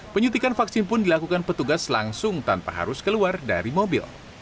penyutikan vaksin pun dilakukan petugas langsung tanpa harus keluar dari mobil